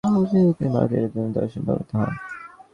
তিনি ভারতের বেদান্ত দর্শনে প্রভাবিত হন।